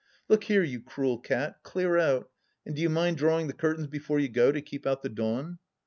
" Look here, you cruel cat, clear out — and do you mind drawing the curtains before you go, to keep out the dawn